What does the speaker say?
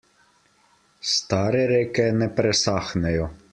Stare reke ne presahnejo.